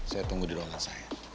saya tunggu di ruangan saya